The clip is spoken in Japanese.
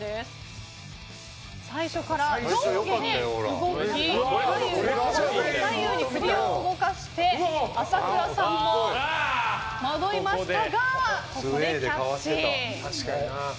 最初から上下に動き左右に首を動かして朝倉さんも迷いましたがここでキャッチ。